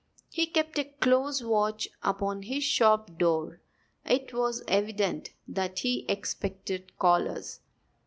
He kept a close watch upon his shop door. It was evident that he expected callers.